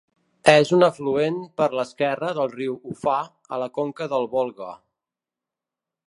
És un afluent per l'esquerra del riu Ufà, a la conca del Volga.